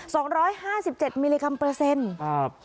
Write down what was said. สองร้อยห้าสิบเจ็ดมิลลิกรัมเปอร์เซ็นต์ครับ